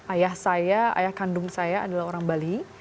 ayah saya ayah kandung saya adalah orang bali